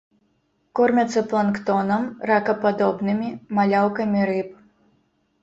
Кормяцца планктонам, ракападобнымі, маляўкамі рыб.